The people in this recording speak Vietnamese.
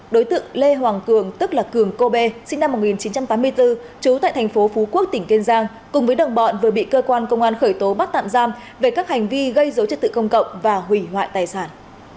đối tượng lê hoàng cường tức là cường cô bê sinh năm một nghìn chín trăm tám mươi bốn trú tại thành phố phú quốc tỉnh kiên giang cùng với đồng bọn vừa bị cơ quan công an khởi tố bắt tạm giam về các hành vi gây dối trật tự công cộng và hủy hoại tài sản